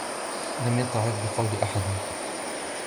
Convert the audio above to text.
لَمْ يَتَّعِظْ بِقَوْلِ أَحَدٍ